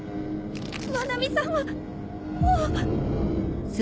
愛美さんはもう。